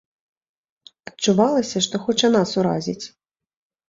Адчувалася, што хоча нас уразіць.